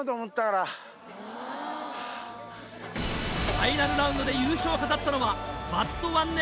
ファイナルラウンドで優勝を飾ったのは。